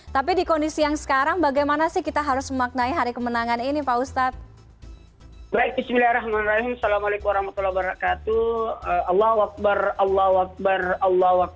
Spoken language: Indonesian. tapi di kondisi yang sekarang bagaimana sih kita harus memaknai hari kemenangan ini pak ustadz